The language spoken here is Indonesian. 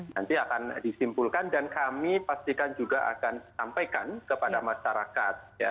nanti akan disimpulkan dan kami pastikan juga akan sampaikan kepada masyarakat